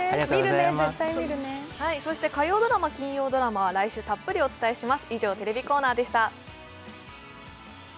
火曜ドラマ、金曜ドラマは来週たっぷりお伝えします。